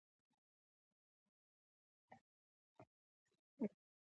بولۍ قوماندې او عناوین په پښتو کړل.